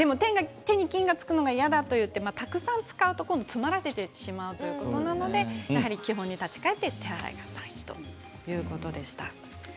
手に菌がつくのは嫌だということで、たくさん使ってしまうと詰まらせてしまうので基本に立ち返って手洗いが大事だということです。